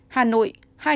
hà nội hai trăm tám mươi bảy